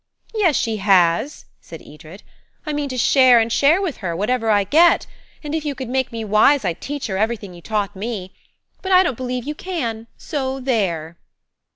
"Yes, she has," said Edred. "I mean to share and share with her–whatever I get. And if you could make me wise I'd teach her everything you taught me. But I don't believe you can. So there!"